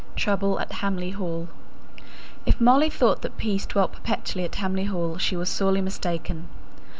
TROUBLE AT HAMLEY HALL. If Molly thought that peace dwelt perpetually at Hamley Hall she was sorely mistaken.